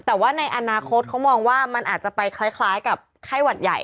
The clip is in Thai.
แต่ว่าในอนาคตเขามองว่ามันอาจจะไปคล้ายกับไข้หวัดใหญ่